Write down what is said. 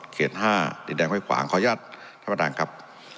๕ดินแดงห้วยขวางขออนุญาตท่านประธานครับ